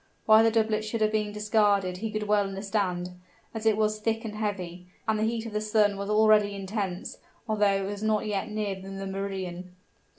Why the doublet should have been discarded he could well understand, as it was thick and heavy, and the heat of the sun was already intense, although it was not yet near the meridian.